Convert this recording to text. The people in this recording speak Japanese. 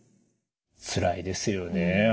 つらいですよね。